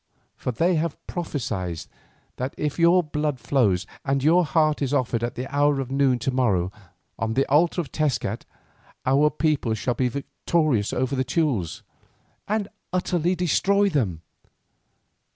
For they have prophesied that if your blood flows, and your heart is offered at the hour of noon to morrow on the altar of Tezcat, our people shall be victorious over the Teules, and utterly destroy them.